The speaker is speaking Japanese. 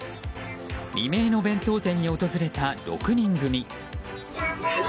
未明の弁当店に訪れた６人組。